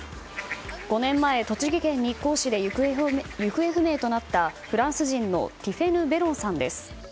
５年前栃木県日光市で行方不明となったフランス人のティフェヌ・ベロンさんです。